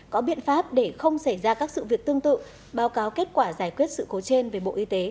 có biện pháp để không xảy ra các sự việc tương tự báo cáo kết quả giải quyết sự cố trên về bộ y tế